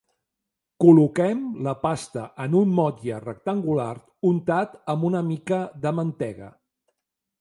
Col·loquem la pasta en un motlle rectangular untat amb una mica de mantega.